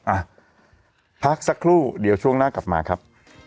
อ่ะพักสักครู่เดี๋ยวช่วงหน้ากลับมาครับ